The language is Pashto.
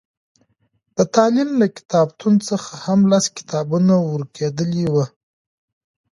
د تالين له کتابتون څخه هم لس کتابونه ورکېدلي وو.